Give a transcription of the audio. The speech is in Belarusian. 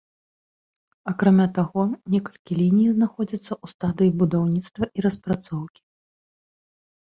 Акрамя таго некалькі ліній знаходзяцца ў стадыі будаўніцтва і распрацоўкі.